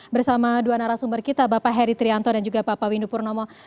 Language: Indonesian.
bersama dua narasumber kita bapak heri trianto dan juga bapak windu purnomo